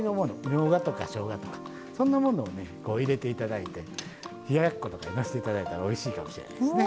みょうがとかしょうがとかそんなものをね入れて頂いて冷ややっことかにのせて頂いたらおいしいかもしれないですね。